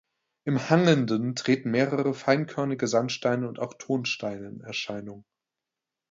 Im Hangenden treten mehr feinkörnige Sandsteine und auch Tonsteine in Erscheinung.